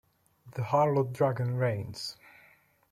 The harlot-dragon reigns.